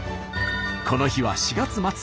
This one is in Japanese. この日は４月末。